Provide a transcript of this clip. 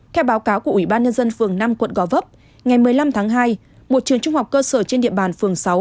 theo báo cáo của ủy ban nhân dân phường năm quận gò vấp ngày một mươi năm tháng hai một trường trung học cơ sở trên địa bàn phường sáu